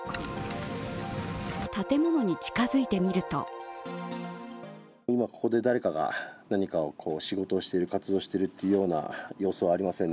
建物に近づいてみると今、ここで誰かが何か、仕事、活動しているという様子はありませんね